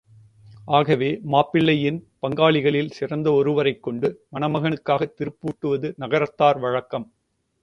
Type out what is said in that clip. ஆகவே மாப்பிள்ளையின் பங்காளிகளில் சிறந்த ஒருவரைக் கொண்டு மணமகனுக்காகத் திருப்பூட்டுவது நகரத்தார் வழக்கம்.